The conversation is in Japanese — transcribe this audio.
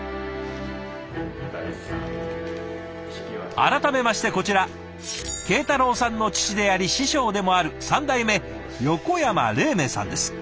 改めましてこちら慶太郎さんの父であり師匠でもある３代目横山黎明さんです。